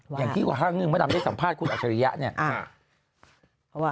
อย่างที่ห้างขึ้นมันทำได้สัมภาษณ์คุณอัชะริยเนี่ย